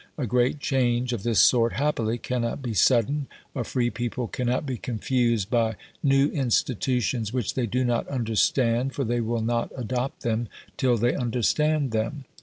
A great change of this sort happily cannot be sudden; a free people cannot be confused by new institutions which they do not understand, for they will not adopt them till they understand them.